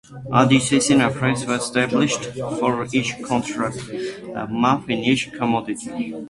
At each session, a price was established for each contract month in each commodity.